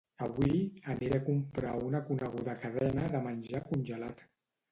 Avui aniré a comprar a una coneguda cadena de menjar congelat